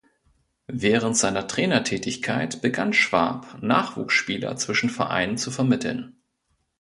Während seiner Trainertätigkeit begann Schwab, Nachwuchsspieler zwischen Vereinen zu vermitteln.